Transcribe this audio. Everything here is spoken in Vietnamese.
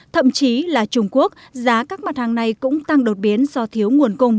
thậm chí là trung quốc giá các mặt hàng này cũng tăng đột biến do thiếu nguồn cung